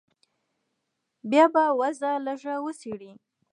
بيا به وضع لږه وڅېړې.